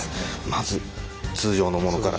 まず通常のものから。